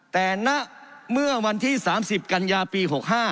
แต่ณเมื่อวันที่๓๐กันยาปี๖๕